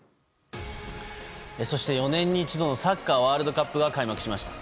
そして、４年に一度のサッカーワールドカップが開幕しました。